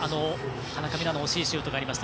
田中美南の惜しいシュートがありました。